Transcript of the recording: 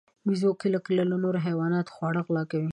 بیزو کله کله له نورو حیواناتو خواړه غلا کوي.